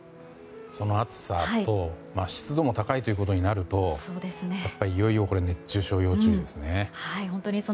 その暑さと湿度も高いということになるとやっぱり、いよいよ熱中症に要注意ですね。